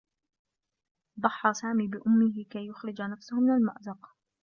ضحّى سامي بأمّه كي يُخرج نفسه من المأزق.